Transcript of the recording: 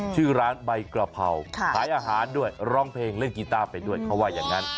ชื่อร้านใบกระเพราขายอาหารด้วยร้องเพลงเล่นกีต้าไปด้วยเขาว่าอย่างนั้น